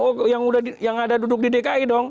oh yang ada duduk di dki dong